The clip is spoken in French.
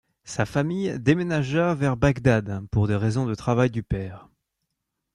Sa famille déménagea vers Bagdad pour des raisons de travail du père.